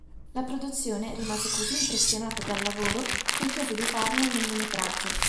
La produzione rimase così impressionata dal lavoro che gli chiese di farne un lungometraggio.